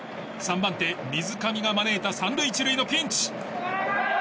３番手、水上が招いた３塁１塁のピンチ。